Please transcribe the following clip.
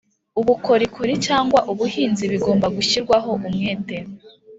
ubukorikori cyangwa ubuhinzi bigomba gushyirwaho umwete